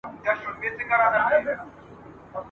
پوهان د ټولني څراغونه دي.